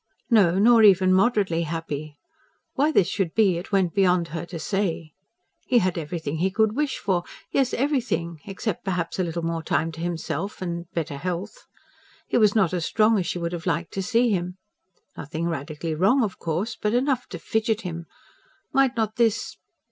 No, nor even moderately happy. Why this should be, it went beyond her to say. He had everything he could wish for: yes, everything, except perhaps a little more time to himself, and better health. He was not as strong as she would have liked to see him. Nothing radically wrong, of course, but enough to fidget him. Might not this